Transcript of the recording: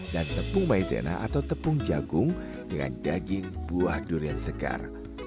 dan tepung maizena atau tepung jagung dengan daging buah durian segar